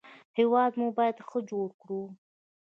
هېواد مو باید ښه جوړ کړو